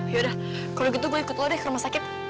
yaudah kalau gitu gue ikut lo deh ke rumah sakit